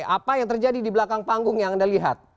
apa yang terjadi di belakang panggung yang anda lihat